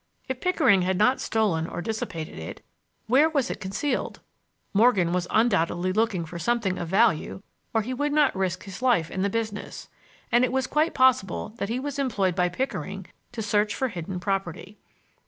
If Pickering had not stolen or dissipated it, where was it concealed? Morgan was undoubtedly looking for something of value or he would not risk his life in the business; and it was quite possible that he was employed by Pickering to search for hidden property.